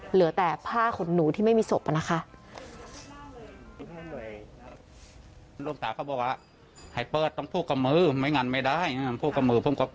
เหลือแต่ผ้าขนหนูที่ไม่มีศพนะคะ